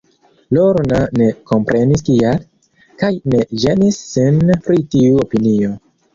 Lorna ne komprenis kial, kaj ne ĝenis sin pri tiu opinio.